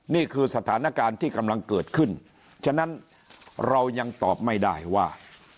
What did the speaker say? นี่คือสถานการณ์ที่กำลังเกิดขึ้นฉะนั้นเรายังตอบไม่ได้ว่า